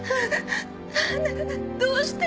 どうして？